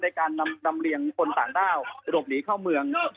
ในการนำเรียงคนต่างด้าวเผื่อ